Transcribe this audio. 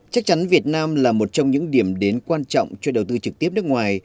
chắc chắn việt nam là một trong những điểm đến quan trọng cho đầu tư trực tiếp nước ngoài